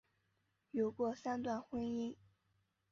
有过三段婚姻。